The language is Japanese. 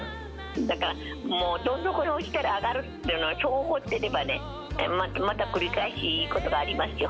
だから、もうどん底に落ちたら上がるっていうのは、そう思ってればね、また繰り返しいいことがありますよ。